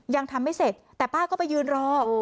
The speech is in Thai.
ยังทำไม่เสร็จแต่ป้าก็ไปยืนรอ